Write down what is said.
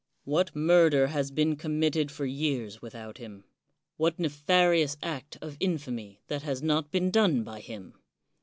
What murder has been committed for years without him? What nefarious act of in famy that has not been done by him